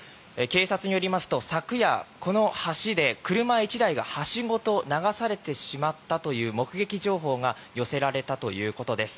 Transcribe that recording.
警察によりますと昨夜この橋で車１台が橋ごと流されてしまったという目撃情報が寄せられたということです。